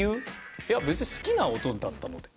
いや別に好きな音だったので。